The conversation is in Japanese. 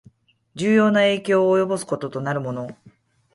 重要な影響を及ぼすこととなるもの